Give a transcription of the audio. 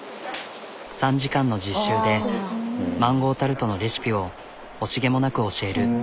３時間の実習でマンゴータルトのレシピを惜しげもなく教える。